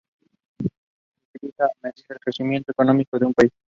Se utiliza para medir el crecimiento económico de un país.